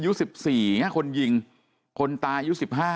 อยู่๑๔คนยิงคนตาย๑๕